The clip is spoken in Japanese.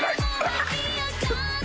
あっ。